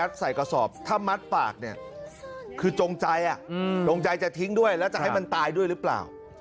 ต้องใจจะทิ้งด้วยแล้วจะให้มันตายด้วยหรือเปล่า